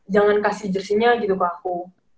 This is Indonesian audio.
jangan kasih jersinya gitu ke aku